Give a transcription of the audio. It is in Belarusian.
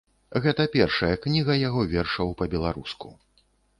Гэта першая кніга яго вершаў па-беларуску.